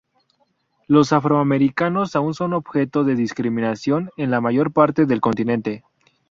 Los afroamericanos aún son objeto de discriminación en la mayor parte del continente.